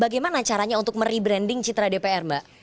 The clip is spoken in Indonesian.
bagaimana caranya untuk merebranding citra dpr mbak